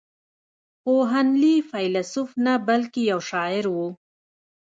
خو هنلي فيلسوف نه بلکې يو شاعر و.